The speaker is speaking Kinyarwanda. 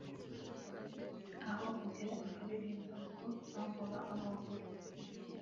Aho agera akaririmba ngo ‘Zamura amaguru’